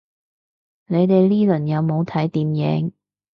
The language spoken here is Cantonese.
你哋呢輪有冇睇電影